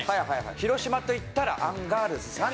広島といったらアンガールズさんって。